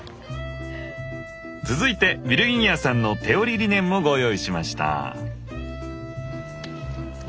続いてヴィルギニヤさんの手織りリネンもご用意しました。